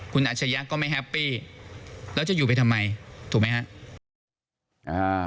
คุณอัชยะก็ไม่แฮปปี้แล้วจะอยู่ไปทำไมถูกไหมครับ